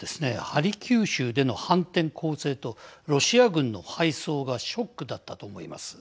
ハルキウ州での反転攻勢とロシア軍の敗走がショックだったと思います。